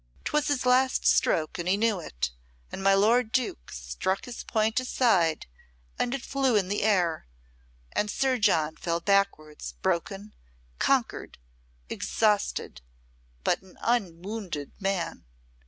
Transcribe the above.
'Twas his last stroke and he knew it, and my lord Duke struck his point aside and it flew in the air, and Sir John fell backwards broken, conquered, exhausted, but an unwounded man.